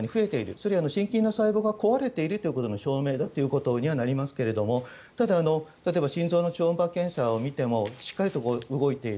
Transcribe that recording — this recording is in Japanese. それは心筋の細胞が壊れているということの証明だということにはなりますけれどもただ、心臓の超音波検査を見てもしっかりと動いている。